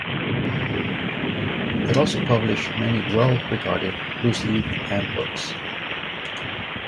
It also published many well-regarded looseleafs and books.